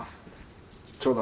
ちょうど。